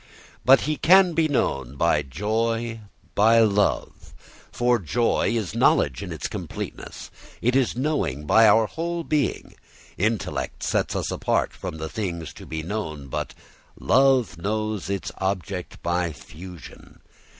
But he can be known by joy, by love. For joy is knowledge in its completeness, it is knowing by our whole being. Intellect sets us apart from the things to be known, but love knows its object by fusion.